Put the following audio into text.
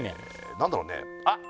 何だろうねあっ